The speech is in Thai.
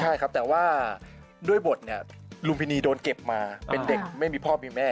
ใช่ครับแต่ว่าด้วยบทเนี่ยลุงพินีโดนเก็บมาเป็นเด็กไม่มีพ่อมีแม่